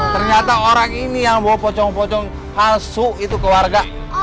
ternyata orang ini yang bawa pocong pocong palsu itu ke warga